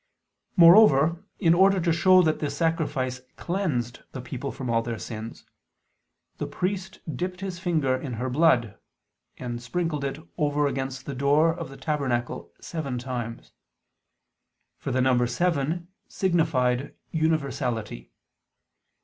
Moreover, in order to show that this sacrifice cleansed the people from all their sins, "the priest" dipped "his finger in her blood," and sprinkled "it over against the door of the tabernacle seven times"; for the number seven signified universality.